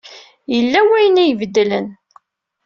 Yella wayen ay ibeddlen.